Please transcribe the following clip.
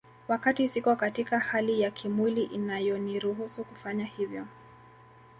Wakati siko katika hali ya kimwili inayoniruhusu kufanya hivyo